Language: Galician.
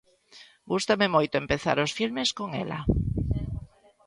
Gústame moito empezar os filmes con ela.